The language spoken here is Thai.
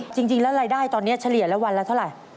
จริงแล้วรายได้ตอนนี้เฉลี่ยแล้ววันละเท่าไหร่